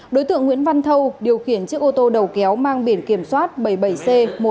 đối tượng nguyễn văn thâu điều khiển chiếc ô tô đầu kéo mang biển kiểm soát bảy mươi bảy c một mươi năm nghìn bốn trăm một mươi bốn